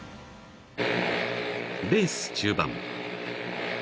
［レース中盤］